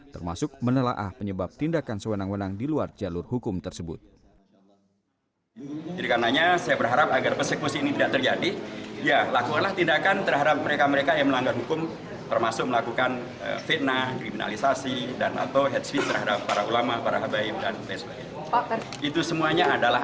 termasuk menelaah penyebab tindakan soenak soenak yang terjadi di jakarta selatan